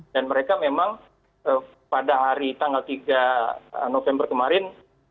mereka memang pada hari tanggal tiga november kemarin